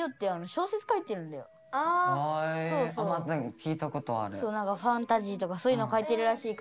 聞いたことある。